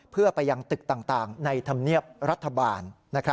เพื่อไปยังตึกต่างในธรรมเนียบรัฐบาล